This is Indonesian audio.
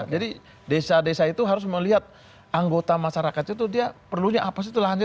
jadi desa desa itu harus melihat anggota masyarakat itu dia perlunya apa sih itu lahannya